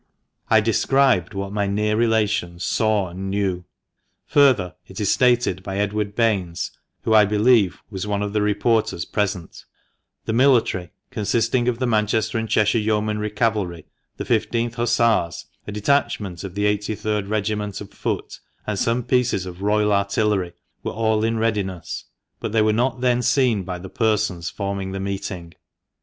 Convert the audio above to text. I described what my near relations saw and knew. Further, it is stated by Edward Baines, who, I believe, was one of the reporters present — "The military, consisting of the Manchester and Cheshire Yeomanry Cavalry, the I$th Hussars, a detachment of the 83th Regiment of Foot, and some pieces of royal artillery, were all in readiness, but they were not then seen by the persons forming the meeting."